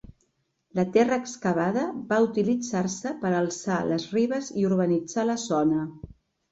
La terra excavada va utilitzar-se per a alçar les ribes i urbanitzar la zona.